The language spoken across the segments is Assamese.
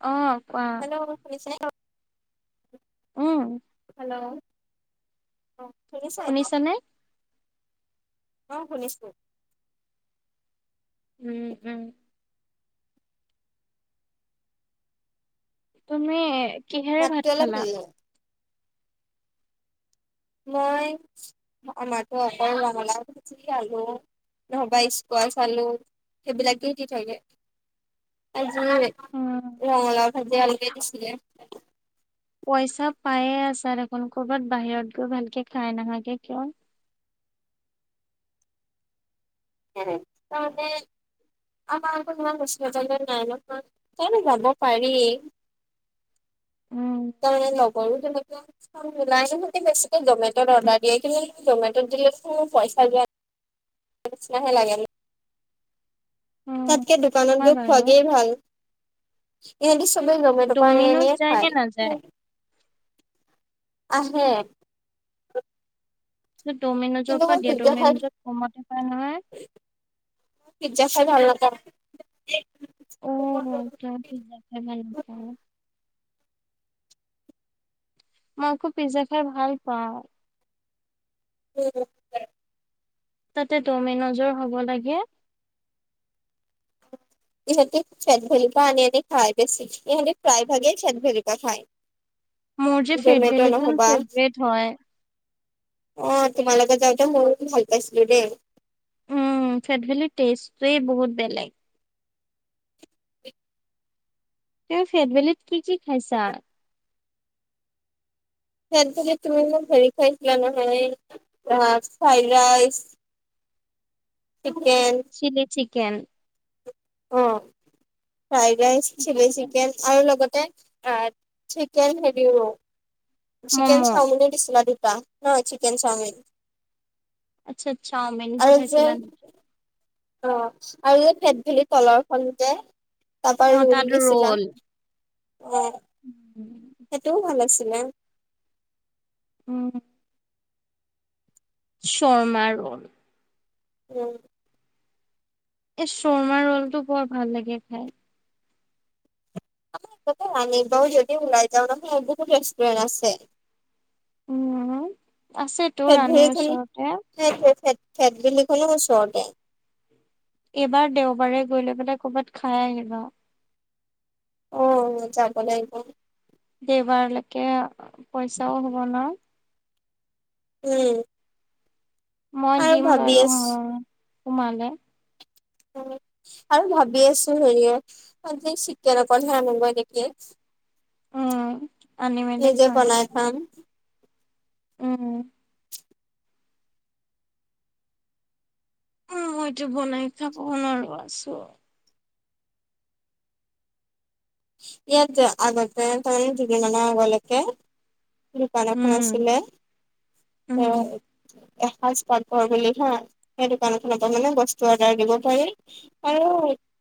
অ কোৱা হেল্লো' শুনিছে উম হেল্লো' অহ শুনিছা এতিয়া শুনিছানে? অ শুনিছোঁ উম উম তুমি কিহেৰে মাতটো ভাত অলপ খালা মই আমাটো অকল ৰঙালাও ভাজি আলু নহবা স্কোৱা চালো সেইবিলাকে দি থাকে উম। [unintelligible] ৰঙালাও ভিজি আলু দিছিলে পইচা পায়ে আছা দেখোন কৰ'বাত বাহিৰত গৈ ভালকে খাই নাহাগে কিয় [inaudible] উম তাৰমানে [unintelligible] উম। তাৰমানে নকৰো যে মই [inaudible] নাই সিহঁতি বেছিকৈ জমেট'ত অৰ্ডাৰ দিয়ে কিন্তু জমেট'ত দিলেতোন পইচা যোৱাই নিচনাহে লাগে মোক উম তাতকে দোকানত হয় গৈ বাৰু খোৱালেই ভাল, ইহত চবেই জমেটো পা আনি আনি ডমিন'জ যায় নে খায়। নাযায়? আহে ড'মিনোজৰ কিন্তু পৰা মই দিয়া পিজ্জা খাই ডমিনোজত কমতে পায় নহয় জেছ খাই ভাল নাপাওঁ। অ [unintelligible] মই পিজ্জা খাই ভাল নাপাও। মই আকৌ পিজ্জা খাই ভাল পাওঁ। [unintelligible] তাতে ডমিনেজৰ হ'ব লাগে। ইহঁতী ফেট ভেলিপা আনি -আনি খাই বেছি ইহঁতে প্ৰায় ভাগে ফেট ভেলিপা খায়। মোৰ যে ফেট জমেট' ভেলিখন নহ'বা ফেভাৰেট হয়। অ' তোমাৰ লগত যাওঁতে ময়ো ভাল পাইছিলোঁ দেই। উম ফেটভেলিৰ টেষ্টটোৱে বহুত বেলেগ। এ ফেটবেলিত কি-কি খাইছা? ফেট বেলিত তুমি মোক হেৰি খুৱাইছিলা নহয় আহ, fried rice [inaudible] chicken chilli chicken অ' [inaudible] ফ্ৰাইড ৰাইচ, চিলি চিকেন আৰু লগতে অ' chicken heavy [unintelligible] chicken momo chow mein দিছিলা দুটা নহয় চিকেন চাওমিন। আচ্ছা চাওমিনটো আৰু যে খাইছিলা নেকি? অ' আৰু এই ফেট ভেলিৰ তলৰখন যে তাৰপা অ' ৰোল দিছিলা অ' উম। সেইটোও ভাল আছিলে। উম শৰ্মা ৰোল উম এই শৰ্মা ৰোলটো বৰ ভাল লাগে খাই। [unintelligible] বহুত ৰেষ্টুৰেণ্ট আছে উম আছে তো ফেট ৰাণীৰ ভেলিখন ওচৰতে। ফেট ভেলিখনো ওচৰতে এইবাৰ দেওবাৰে গৈ লৈ পেলাই কৰবাত খাই আহিবা। অ' যাব লাগিব। দেওবাৰলৈকে পইচাও হ'ব ন। উম মই আৰু দিম ভাবি বাৰু, আছো মই তোমালে আৰু ভাবি আছো হেৰিয়ে চিকেন অকল আনিব নেকি? উম, আনি মেলি নিজে খোৱামগে। বনাই খাম উম ও মইতো বনাই খাব নোৱাৰো আছো ইয়াত যে আগতে ধৰি, দুদিন মানৰ আগলৈকে দোকান এখন উম আছিলে, উম অহ এসাজ পাতঘৰ বুলি থও, সেই দোকান খনৰ পৰা মানে বস্তু আৰু সেয়া দিব পাৰি, আৰু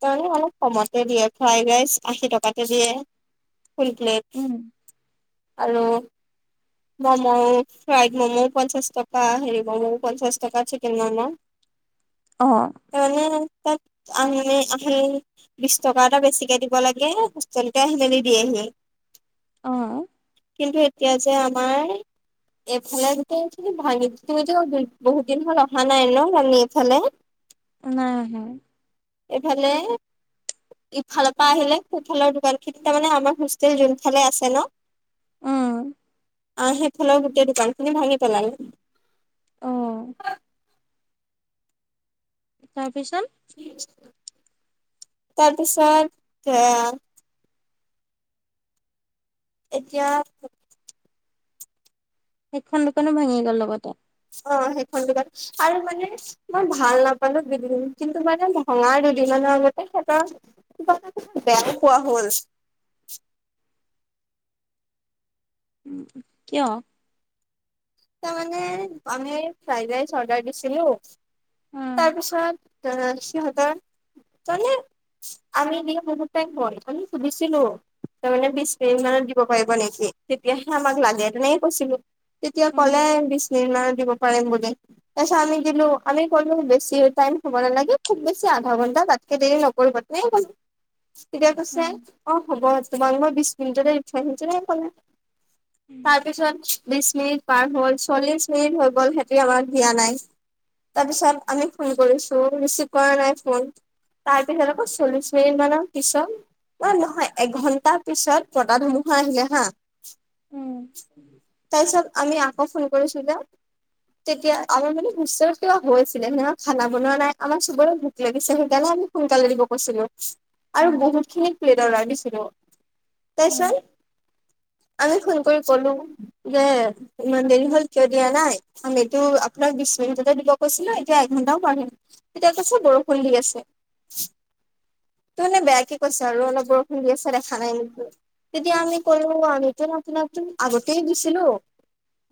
ত অলপ কমতে দিয়ে ফ্ৰাইড ৰাইচ। আশী টকাকে দিয়ে, ফুল প্লেট উম আৰু ম'ম ফ্ৰাইড ম'ম পঞ্চাছ টকা হেৰি ম'ম পঞ্চাছ টকা চিকেন ম'ম। অ আৰু এনে তাত আহি আহি বিশ টকা এটা বেছিকে দিব লাগে। হোষ্টলতে আহি মেলি দিয়েহি। অহ কিন্তু এতিয়া যে আমাৰ এইফালে গোটেখিনি ভাঙি দিছে তুমিটো বহুত দিন হ'ল অহা নাই নহ কানি এইফালে উম এইফালে ইফালৰ পৰা আহিলে সোঁফালৰ দোকান খিনি তাৰ মানে আমাৰ হোষ্টেল যোন ফালে আছে নহ উম অহ সেফালৰ গোটেই দোকানখিনি ভাঙি পেলালোঁ। অ [unintelligible] [unintelligible] তাৰপিছত হে। এতিয়া সেইখন দোকানো ভাঙি গল লগতে অহ সেইখন দুকান আৰু মানে মই ভাল নাপালো দুদিন, কিন্তু মানে ভঙা দুদিনত [unintelligible] কিবা বেয়া পোৱা হ'ল। [inaudible] কিয়। তাৰমানে আমি ফ্ৰাইড ৰাইচ অৰ্ডাৰ দিছিলো উম তাৰপিছত। ত সিহঁতৰ। তহ এনে আমি বহুত টাইম পাতি সুধিছিলো। তাৰ মানে বিশ মিনিট মানত দিব পাৰিব নেকি তেতিয়াহে আমাক লাগে এনেকে কৈছিলো। তেতিয়া উম ক'লে বিছমিনিট মানত দিব পাৰিম বুলি তাৰ পিছত আমি দিলো আমি ক'লো বেছি টাইম। কব নালাগে, খুব বেছি আধা ঘন্টা তাতকে দেৰি নকৰিব তে তেতিয়া কৈছে উম অ হ'ব তোমালোকৰ বিশ মিনিটতে ইণ্টাৰ ভিতৰতে কলে উম তাৰপিছত বিছ মিনিট। পাৰ হ'ল চল্লিশ মিনিট হৈ গ'ল সিহঁতি আমাক দিয়া নাই। তাৰপিছত আমি ফোন কৰিছো, ৰিচিভ কৰা নাই ফোন। তাৰপিছৰ আকৌ চল্লিশ মিনিট মানৰ পিছত। ন নহয় এঘন্টাৰ পিছত বতাহ ধুমুহা আহিলে হা। তাৰপিছত আমি আকৌ ফোন কৰিছোঁ যে। তেতিয়া আমাৰ মানে হোষ্টেলত কিবা হৈ আছিলে নহয় খানা বনোৱা নাই আমাৰ চবৰে ভোক লাগিছে সেইকাৰণে। [unintelligible] সোনকালে দিব কৈছিলো। আৰু উম বহুতখিনি প্লেট অৰ্ডাৰ দিছিলোঁ তাৰ উম পিছত। আমি ফোন কৰি ক'লো যে। ইমান দেৰি হ'ল কিয় দিয়া নাই আমিতো আপোনাক বিশ মিনিটতে দিব কৈছিলো এতিয়া এঘণ্টাও বাঢ়িম। তেতিয়া আছে বৰষুণ দি আছে। তামানে বেয়াকে কৈছ আৰু অলপ বৰষুণ দি আছে, দেখা নাই নেকি? তেতিয়া আমি ক'লো আমিতো আপোনাকটো আগতেই দিছিলোঁ।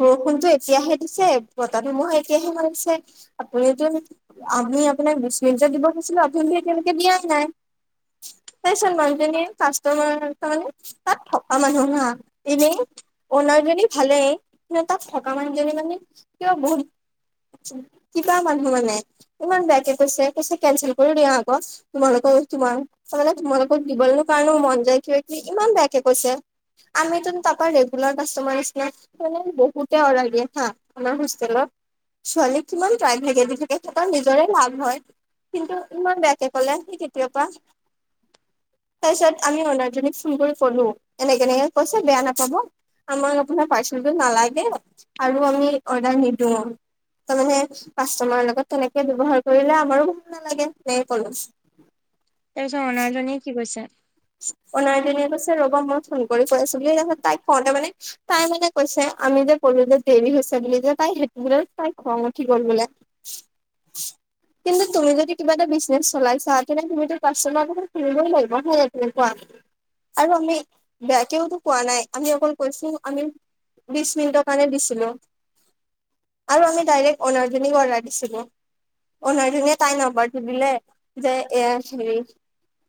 বৰষুণটো এতিয়াহে দিছে বতাহ ধুমুহা এতিয়াহে মাৰিছে আপুনিটো। আমি আপোনাক বিশ মিনিটত দিব কৈছিলো আপুনি এতিয়ালৈকে দিয়া নাই। তাৰছত মানুহজনী কাষ্টমাৰ কাৰণে তাত থকা মানুহ হা, এনেই অনাৰজনী ভালে কিন্তু তাক থকা মানুহ জনী মানে কিবা বহুত। কিবা মানুহ মানে, ইমান বেয়কে কৈছে। কৈছে কেনচেল কৰি দিয়া আক তোমালোকক তোমাৰ তাৰমানে তোমালোকক দিবলৈ কাৰণেও মন যায় কিবা কিবি ইমান বেয়াকে কৈছে। আমিতো তাৰপৰা ৰেগুলাৰ কাষ্টমাৰ নিছিনা। বহুতে অৰাল দিয়ে হা আমাৰ হোষ্টেলত। ছোৱলী কিমান ট্ৰাই থাকে দুজনী থকা তাৰ নিজৰে লাভ হয়। কিন্তু ইমান বেয়াকে ক'লে সি তেতিয়াৰ পৰা। তাৰ পিছত আমি অৰ্ণাৰজনীক ফোন কৰি ক'লো এনেকে এনেকে কৈছে বেয়া নাপাব। আমাক আপোনাৰ পাৰ্চেলটো নালাগে আৰু আমি অৰ্ডাৰ নিদিওঁ। তাৰমানে কাষ্টমাৰৰ লগত তেনেকে ব্যৱহাৰ কৰিলে আমাৰো ভাল নালাগে এনেকে কলে। তাৰপিছত অৰ্ণাৰজনীয়ে কি কৈছে। অনাৰজনীয়ে কৈছে ৰ'বা মই ফোন কৰি কৈ আছোঁ বুলি তাইক কওঁতে মানে তাই মানে কৈছে। আমি যে কলো যে, দেৰি হৈছে বুলি যে তাই সেটোৰে বোলে তাই খং উঠি গ'ল বোলে। [inaudible] কিন্তু তুমি যদি কিবা এটা বিজনেছ চলাইছা তেনে তুমিটো কাষ্টমাৰৰ কথা শুনিবই লাগিব। আৰু আমি বেয়াকেওতো কোৱা নাই, আমি অকল কৈছো আমি বিশ মিনিটৰ কাৰণে দিছিলো। আৰু আমি ডাইৰেক্ট অ'নাৰজনীক অৰ্ডাৰ দিছিলোঁ। অনাৰজনিয়ে তাই নম্বৰটো দিলে, যে এয়া হেৰী,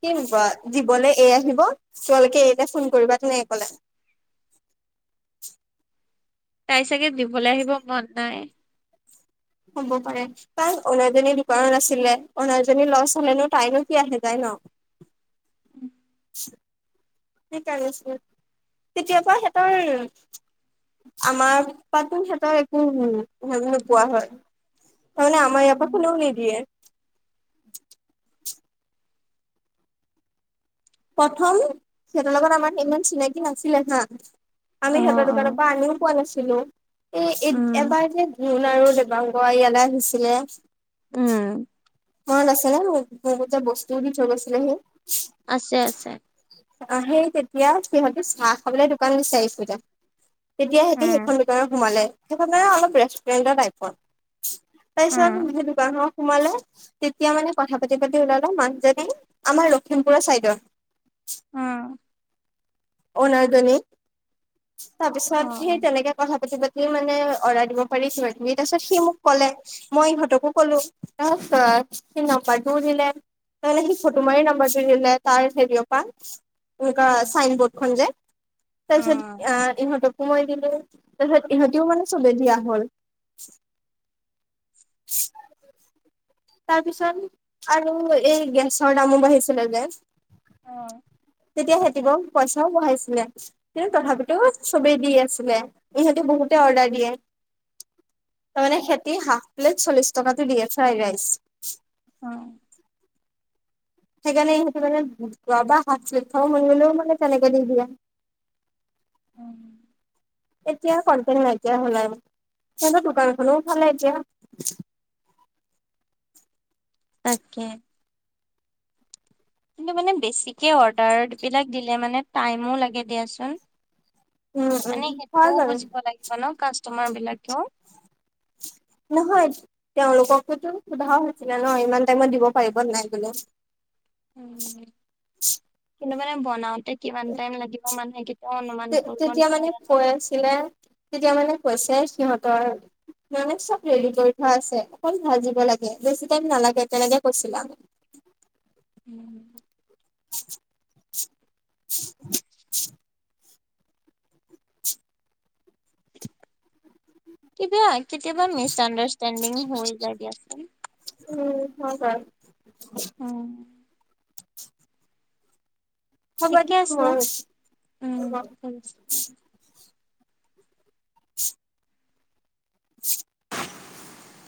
কি বা দিবলৈ এ আহিব তোমালোকে এয়া ফোন কৰিবা তেনেকে কলে৷ [inaudible] তাই চাগে দিবলৈ আহিব মন নাই৷ হ'ব পাৰে, কাৰণ ওনাৰজনীৰ দোকানত আছিলে, অনাৰজনীৰ লছ হলেনো তাইৰনো কি আহে যায় ন? [inaudible] সেইকাৰণে আছিল, কেতিয়াবা সিহঁতৰ আমাৰ [unintelligible] সিহঁতৰ একো [unintelligible] নোপোৱা হয়৷ তাৰমানে আমাৰ ইয়াৰ পৰা কোনেও নিদিয়ে৷ প্ৰথম সিহঁতৰ লগত আমাৰ সমান চিনাকি নাছিলে হা৷ আমি অ সিহঁতৰ অ দোকানৰ পৰা আনিও পোৱা নাছিলো, এ উম এবাৰ যে মুন আৰু দেবাংগ ইয়ালৈ আহিছিলে উম মনত আছে নে? বহুত যে বস্তু দি থৈ গৈছিলে হি। আছে আছে৷ অ' সেই তেতিয়া সিহঁতে চাহ খাবলে দোকান বিচাৰিছিলে৷ তেতিয়া সিহঁতি উম সেইখন ভিত সোমালে, সেইখন অলপ ৰেষ্টুৰেণ্টৰ টাইপৰ উম তাৰপিছতে দোকানখনত সোমালে, তেতিয়া মানে কথা পাতি পাতি ওলালে মাং [unintelligible] আমাৰ লখিমপুৰৰ চাইডৰ। উম ওনাৰজনী। তাৰ অ পিছত সেই তেনেকে কথা পাতি পাতি মানে অৰ্ডাৰ দিব পাৰি কিবা কিবি তাৰপিছত সি মোক ক'লে, মই ইহঁতকো ক'লো ত সি নম্বাৰটো দিলে, তাৰমানে সি ফটো মাৰি নাম্বাৰ দিলে তাই হেৰিয়পা, এনেকুৱা অ অ চাইন বৰ্ডখন যে তাৰপিছত ইহত সোমাই দিলে তাৰপিছত ইহঁতিও মানে চবে দিয়া হল৷ [inaudible] তাৰপিছত আৰু এই গেছৰ দামো বাঢ়িছিলে যে অ'। তেতিয়া সিহঁতি বহু পইচাও বঢ়াইছিলে, কিন্তু তথাপিতো চবেই দি আছিলে, ইহঁতেও বহুতে অৰ্ডাৰ দিয়ে। [inaudible] তাৰমানে সিহঁতি হাফ প্লেট চল্লিশ টকাতে দিয়ে ফ্ৰাইড ৰাইচ অ'। সেইকাৰণে সিহঁতে মানে [unintelligible] মানে তেনেকে দি দিয়ে। [unintelligible] এতিয়া কন্টেক্ত নাইকিয়া আৰু, সিহঁতৰ দোকানখনো উঠালে এতিয়া। [inaudible] তাকে। কিন্তু মানে বেছিকে অৰ্ডাৰবিলাক দিলে মানে টাইমো লাগে দিয়াচোন। উম উম মানে হয় সেইটোও বাৰু বুজিব লাগিব ন কাষ্টমাৰ বিলাকেও। নহয় তেওঁলোককতো সোধাও হৈছিলে ন ইমান টাইমত দিব পাৰিব নাই বুলি? উম, কিন্তু মানে বনাওতে কিমান টাইম লাগিব মানে তে-তেতিয়া মানে কৈ আছিলে তেতিয়া মানে কৈছে সিহঁতৰ মানে চব ৰেডি কৰি থোৱা আছে অকল ভাজিব দিব লাগে, বেছি টাইম নালাগে তেনেকে কৈছিলো আম উম। [inaudible] [inaudible] কিবা কেতিয়াবা মিছ আণ্ডাৰষ্টেডিং হৈ যায় দিয়াচোন৷ উম হয় বাৰু। উম, হ'ব ঠিকে দিয়া আছে, মই উম ঠিক আছে। [inaudible] [inaudible]